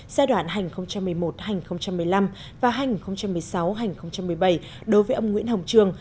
giai đoạn hành một mươi một hai nghìn một mươi năm và hành một mươi sáu hai nghìn một mươi bảy đối với ông nguyễn hồng trường